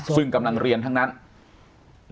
ซึ่งกำลังเรียนทั้งนั้นแล้วเราต้องต้องทำยังไง